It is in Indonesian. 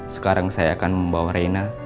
sekarang saya akan membawa reina